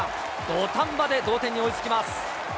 土壇場で同点に追いつきます。